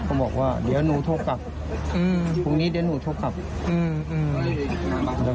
บอกว่าเดี๋ยวหนูโทรกลับอืมพรุ่งนี้เดี๋ยวหนูโทรกลับอืมอืม